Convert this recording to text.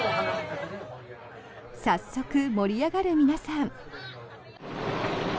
早速、盛り上がる皆さん。